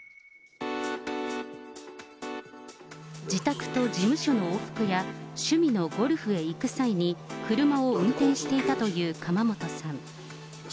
自宅と事務所の往復や趣味のゴルフへ行く際に、車を運転していたという釜本さん。